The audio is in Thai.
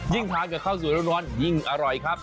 ทานกับข้าวสวยร้อนยิ่งอร่อยครับ